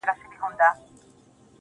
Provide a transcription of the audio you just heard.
يوازيتوب زه، او ډېوه مړه انتظار~